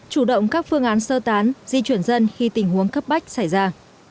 chủ động các phương án sơ tán di chuyển dân khi tình huống cấp bách xảy ra